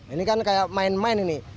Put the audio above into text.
ini kan kayak main main ini